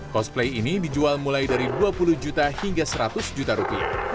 cosplay ini dijual mulai dari dua puluh juta hingga seratus juta rupiah